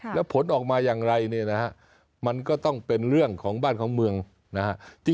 แล้วผลออกมาอย่างไรเนี่ยนะฮะมันก็ต้องเป็นเรื่องของบ้านของเมืองนะฮะ